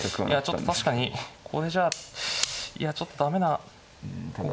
ちょっと確かにこれじゃあちょっと駄目な。